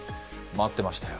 待ってましたよ。